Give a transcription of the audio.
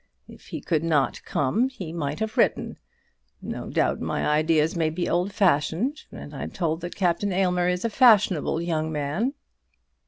If he could not come he might have written. No doubt my ideas may be old fashioned, and I'm told that Captain Aylmer is a fashionable young man."